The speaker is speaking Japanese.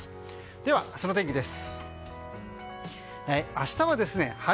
では、明日の天気です。